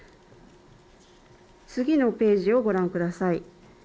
次のページをご覧ください。